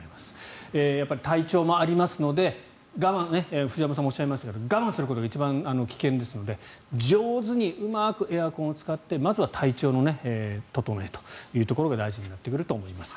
やっぱり体調もありますので藤山さんもおっしゃいましましたが我慢することが一番危険ですので上手にうまくエアコンを使ってまずは体調を整えることが大事になってくると思います。